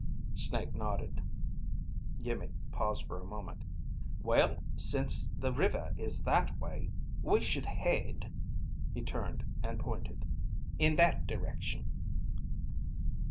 Snake nodded. Iimmi paused for a moment. "Well, since the river is that way, we should head," he turned and pointed, "... in that direction."